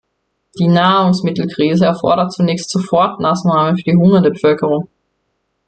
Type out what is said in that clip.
Die Nahrungsmittelkrise erfordert zunächst Sofortmaßnahmen für die hungernde Bevölkerung.